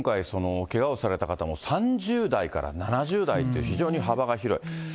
今回そのけがをされた方も３０代から７０代って、非常に幅が広い。